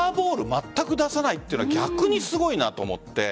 まったく出さないというのは逆にすごいと思って。